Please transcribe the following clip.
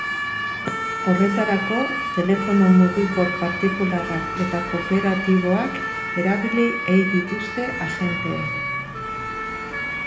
Horretarako, telefono mugikor partikularrak eta korporatiboak erabili ei zituzten agenteek.